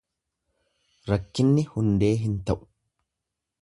Rakkinni hundee hin ta'u.